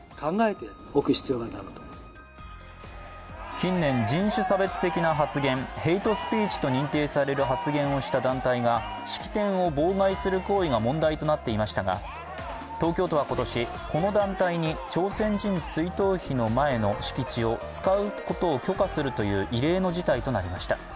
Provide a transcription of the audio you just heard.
近年、人種差別的な発言＝ヘイトスピーチと認定される発言をした団体が式典を妨害する行為が問題となっていましたが東京都は今年、この団体に朝鮮人追悼碑の前の敷地を使うことを許可するという異例の事態となりました。